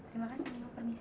terima kasih ibu permisi